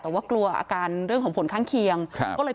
แต่ว่ากลัวอาการเรื่องของผลข้างเคียงครับก็เลย